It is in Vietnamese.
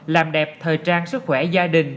làm đẹp thời trang sức khỏe gia đình